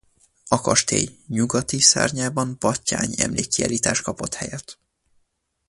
A kastély nyugati szárnyában Batthyány emlékkiállítás kapott helyet.